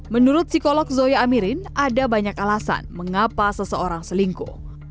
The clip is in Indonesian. menurut psikolog zoya amirin ada banyak alasan mengapa seseorang selingkuh